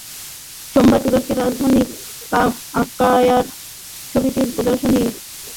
সোমবার তুরস্কের রাজধানী আঙ্কারায় ছবির প্রদর্শনী পরিদর্শনের সময় তাঁকে গুলি করা হয়।